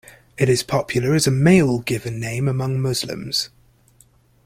It is popular as a male given name among Muslims.